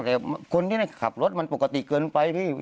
แต่คนที่ได้ขับรถมันปกติเกินไปพี่